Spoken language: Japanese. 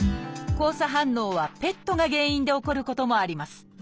交差反応はペットが原因で起こることもあります。